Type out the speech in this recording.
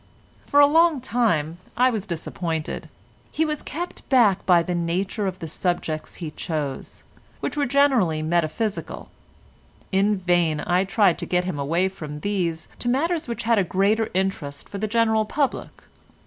For a long time I was disappointed. He was kept back by the nature of the subjects he chose—which were generally metaphysical. In vain I tried to get him away from these to matters which had a greater interest for the general public.